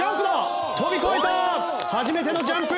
初めてのジャンプ！